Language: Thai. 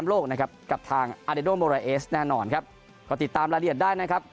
โลกนะครับกับทางอาเดโดโมราเอสแน่นอนครับก็ติดตามรายละเอียดได้นะครับ